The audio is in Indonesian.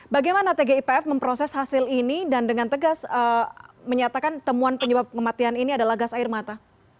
bagaimana tgipf memproses hasil ini dan dengan tegas menyatakan temuan penyebab kematian ini adalah gas air mata